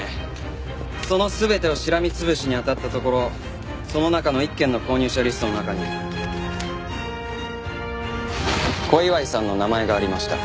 その全てをしらみ潰しに当たったところその中の一軒の購入者リストの中に小祝さんの名前がありました。